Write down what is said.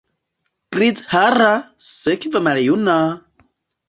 Grizhara, sekve maljuna!